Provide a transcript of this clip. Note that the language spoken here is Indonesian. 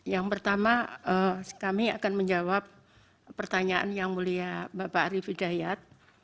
yang pertama kami akan menjawab pertanyaan yang mulia bapak arief hidayat